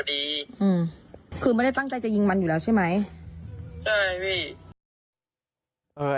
ได้พี่